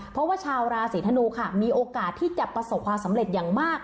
เพราะว่าชาวราศีธนูค่ะมีโอกาสที่จะประสบความสำเร็จอย่างมาก